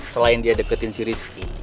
selain dia deketin si rizky